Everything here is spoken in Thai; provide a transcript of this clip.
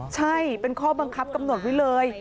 ใช่เป็นข้อบังคับกำหนดไว้เลย